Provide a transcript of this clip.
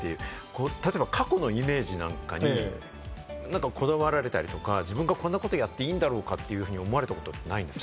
例えば過去のイメージなんかにこだわられたりとか、自分がこんなことやっていいんだろうか？と思われたことはないんですか？